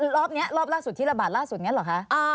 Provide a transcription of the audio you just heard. รอบนี้รอบล่าสุดที่ระบาดล่าสุดนี้หรือคะ